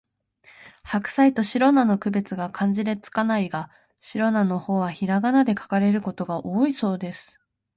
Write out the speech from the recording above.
ハクサイとシロナの区別が漢字で付かないが、シロナの方はひらがなで書かれることが多いようです